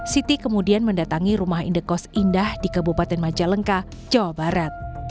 siti kemudian mendatangi rumah indekos indah di kabupaten majalengka jawa barat